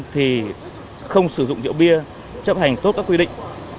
thì không sử dụng rượu bia chấp hành tốt các quy định